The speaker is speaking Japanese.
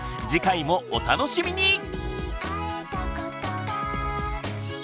次回もお楽しみに！